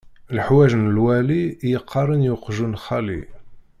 Lḥewj n lwali i yeqqaṛen i uqjun xali.